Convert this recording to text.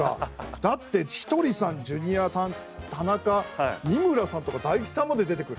だってひとりさんジュニアさん田中三村さんとか大吉さんまで出てくる。